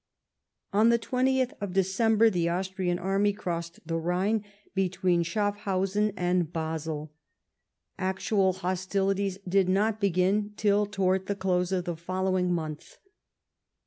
On the 20th December the Austrian army crossed the Rhine between Sehaffhausen and Basel. Actual hostilities did not beii'in till towards the close of the followino month.